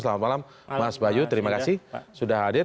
selamat malam mas bayu terima kasih sudah hadir